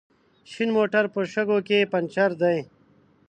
شين موټر په شګو کې پنچر دی